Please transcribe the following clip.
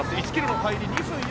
１ｋｍの入り、２分４９。